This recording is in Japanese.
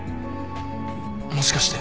もしかして。